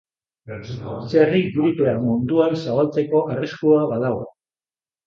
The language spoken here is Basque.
Txerri gripea munduan zabaltzeko arriskua badago.